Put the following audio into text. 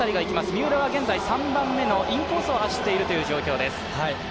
三浦は現在３番目のインコースを走っている状況です